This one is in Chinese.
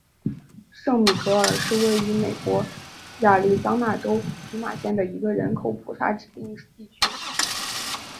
圣米格尔是位于美国亚利桑那州皮马县的一个人口普查指定地区。